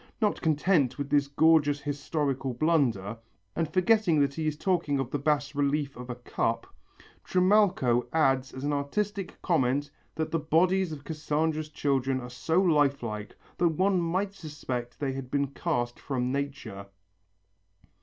Not content with this gorgeous historical blunder, and forgetting that he is talking of the bas relief of a cup, Trimalcho adds as an artistic comment that the bodies of Cassandra's children are so life like that one might suspect they had been cast from nature.